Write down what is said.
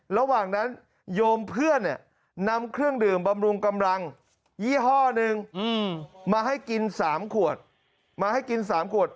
ระหว่างนั้นโยมเพื่อนนำเครื่องดื่มบำรุงกำลังยี่ห้อนึงมาให้กินสามขวด